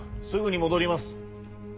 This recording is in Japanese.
すぐに戻ります。